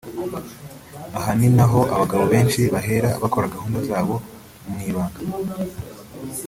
Aha ni naho abagabo benshi bahera bakora gahunda zabo mu ibanga